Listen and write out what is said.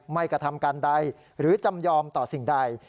กระทำการใดหรือจำยอมต่อสิ่งใด